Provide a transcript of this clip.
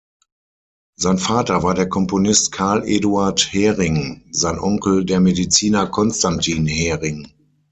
Sein Vater war der Komponist Carl Eduard Hering, sein Onkel der Mediziner Constantin Hering.